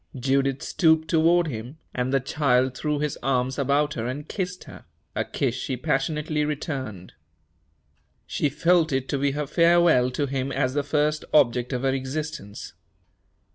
Judith stooped toward him, and the child threw his arms about her and kissed her a kiss she passionately returned. She felt it to be her farewell to him as the first object of her existence.